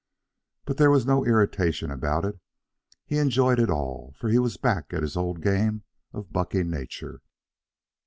But there was no irritation about it. He enjoyed it all, for he was back at his old game of bucking nature.